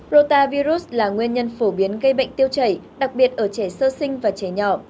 rota virus là nguyên nhân phổ biến gây bệnh tiêu chảy đặc biệt ở trẻ sơ sinh và trẻ nhỏ